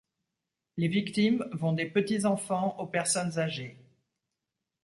Les victimes vont des petits enfants aux personnes âgées.